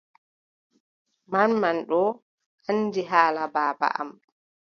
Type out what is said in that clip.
Manman ɗon anndi haala baaba am.